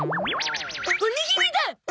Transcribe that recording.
おにぎりだ！